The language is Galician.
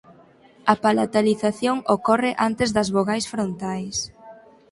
A palatalización ocorre antes das vogais frontais.